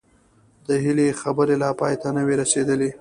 د هيلې خبرې لا پای ته نه وې رسېدلې